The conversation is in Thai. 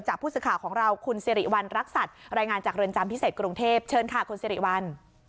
ผู้สื่อข่าวของเราคุณสิริวัณรักษัตริย์รายงานจากเรือนจำพิเศษกรุงเทพเชิญค่ะคุณสิริวัล